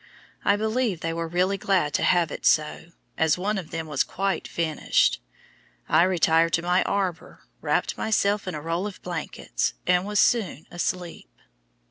I believe they were really glad to have it so, as one of them was quite "finished." I retired to my arbor, wrapped myself in a roll of blankets, and was soon asleep.